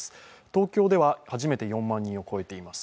東京では初めて４万人を超えています。